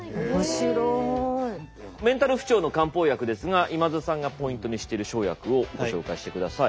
メンタル不調の漢方薬ですが今津さんがポイントにしてる生薬をご紹介してください。